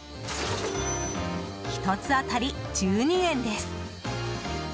１つ当たり１２円です。